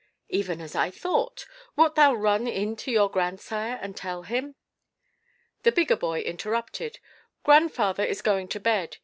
"Even as I thought. Wilt thou run in to your grandsire, and tell him?" The bigger boy interrupted, "Grandfather is going to bed.